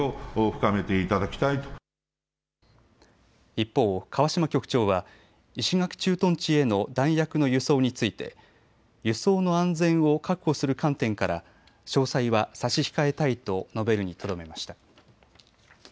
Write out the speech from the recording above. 一方、川嶋局長は石垣駐屯地への弾薬の輸送について輸送の安全を確保する観点から詳細は差し控えたいと述べるにとどめました。